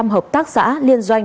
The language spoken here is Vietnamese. hai mươi một hợp tác xã liên doanh